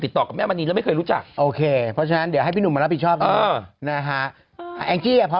คริปอะไรอีกอะคุณแม่ไปพูดอะไรเนี่ย